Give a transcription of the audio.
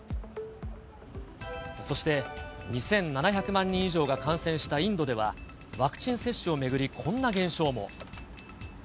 そして、２７００万人以上が感染したインドでは、ワクチン接種を巡り、こんな現象も。